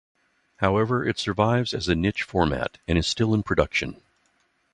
However, it survives as a niche format and is still in production.